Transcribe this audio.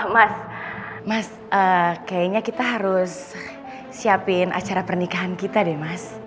mas mas kayaknya kita harus siapin acara pernikahan kita deh mas